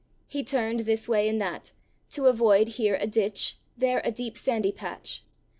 He turned this way and that, to avoid here a ditch, there a deep sandy patch.